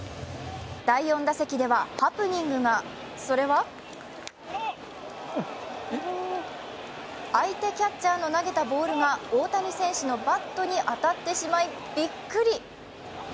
第４打席ではハプニングがそれは相手キャッチャーの投げたボールが大谷選手のバットに当たってしまいびっくり。